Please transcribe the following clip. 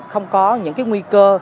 không có những nguy cơ